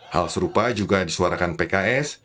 hal serupa juga disuarakan pks